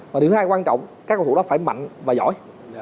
và thứ hai quan trọng các cầu thủ đã phải mạnh và giỏi